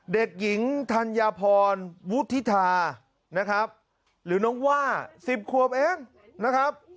เด็กหญิงธัญพรวุฒิธานะครับหรือน้องว่า๑๐ขวบเองนะครับ